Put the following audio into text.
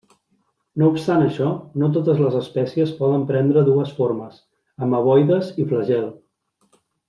No obstant això, no totes les espècies poden prendre dues formes, ameboides i flagel.